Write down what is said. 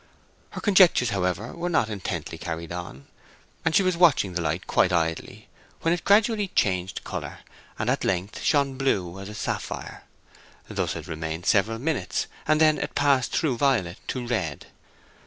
Her conjectures, however, were not intently carried on, and she was watching the light quite idly, when it gradually changed color, and at length shone blue as sapphire. Thus it remained several minutes, and then it passed through violet to red.